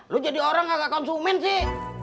lo jadi orang agak konsumen sih